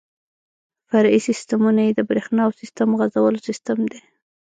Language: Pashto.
فرعي سیسټمونه یې د بریښنا او سیسټم غځولو سیستم دی.